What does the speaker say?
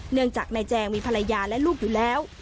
เนื่องจากนายแจงมีภรรยาและลูกอยู่แล้ว